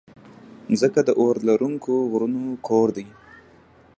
مځکه د اورلرونکو غرونو کور ده.